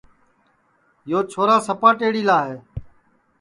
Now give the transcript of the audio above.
یو چھورا سپا ٹیڑِیلا ہے